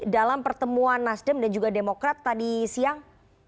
dalam pertemuan nasdem dan juga demokrat tadi siang